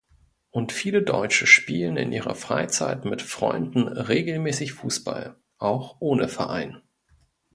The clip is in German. Und viele Deutsche spielen in ihrer Freizeit mit Freunden regelmäßig Fußball – auch ohne Verein.